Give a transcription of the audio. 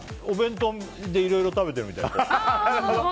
お弁当でいろいろ食べてるみたい。